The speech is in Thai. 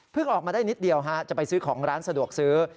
ออกมาได้นิดเดียวจะไปซื้อของร้านสะดวกซื้อ